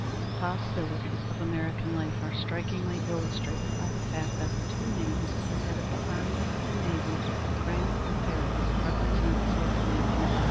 The possibilities of American life are strikingly illustrated by the fact that the two names at the head of the army and navy, Grant and Farragut, represent self made men.